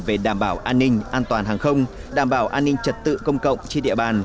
về đảm bảo an ninh an toàn hàng không đảm bảo an ninh trật tự công cộng trên địa bàn